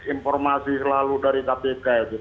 akses informasi selalu dari kpk itu